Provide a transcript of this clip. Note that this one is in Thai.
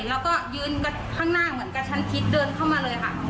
แล้วก็ยืนข้างหน้าเหมือนกับฉันคิดเดินเข้ามาเลยค่ะ